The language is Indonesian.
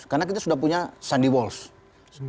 karena kita sudah punya sandy walsh